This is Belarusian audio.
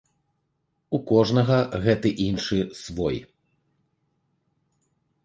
У кожнага гэты іншы свой.